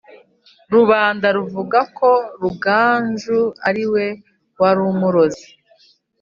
rubanda ruvuga ko rugaju ari we wamuroze;